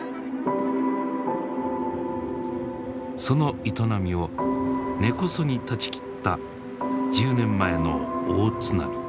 その営みを根こそぎ断ち切った１０年前の大津波。